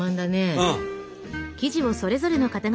うん。